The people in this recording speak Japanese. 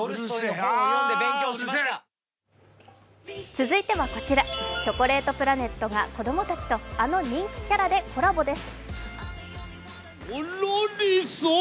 続いてはこちら、チョコレートプラネットが子供たちとあの人気キャラでコラボです。